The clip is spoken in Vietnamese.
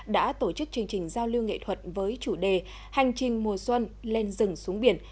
đã tổ chức chương trình giao lưu nghệ thuật với chủ đề hành trình mùa xuân lên rừng xuống biển